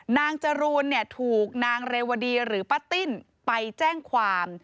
จรูนถูกนางเรวดีหรือป้าติ้นไปแจ้งความ